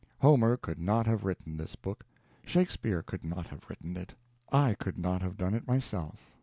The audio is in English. Homer could not have written this book, Shakespeare could not have written it, I could not have done it myself.